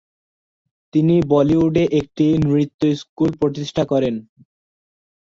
তিনি বলিউডে একটি নৃত্য স্কুল প্রতিষ্ঠা করেন।